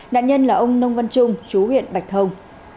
nạn nhân là ông nông văn trung chú huyện bạch thông